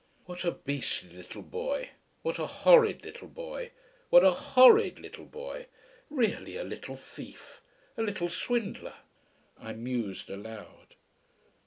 "What a beastly little boy! What a horrid little boy! What a horrid little boy! Really a little thief. A little swindler!" I mused aloud.